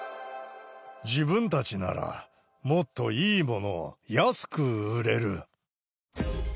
自分たちならもっといいものを安く売れる。